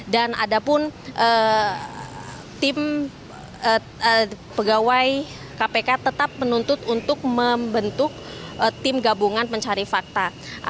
dan ada pun tim pegawai kpk tetap menuntut untuk membentuk tim gabungan mencari fakta